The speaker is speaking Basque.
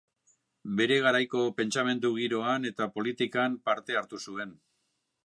Bere garaiko pentsamendu-giroan eta politikan parte hartu zuen.